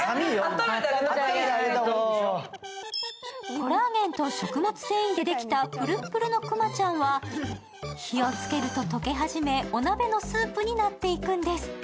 コラーゲンと食物繊維でできたぷるっぷるのくまちゃんは、火をつけると溶け始め、お鍋のスープになっていくんです。